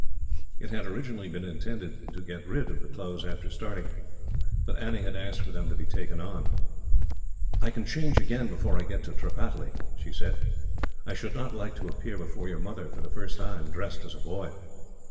It had originally been intended to get rid of the clothes, after starting, but Annie had asked for them to be taken on. "I can change again, before I get to Tripataly," she said. "I should not like to appear before your mother, for the first time, dressed as a boy."